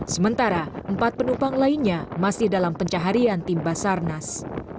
sementara empat penumpang lainnya masih dalam pencaharian tim basarnas